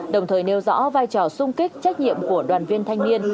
đồng thời nêu rõ vai trò sung kích trách nhiệm của đoàn viên thanh niên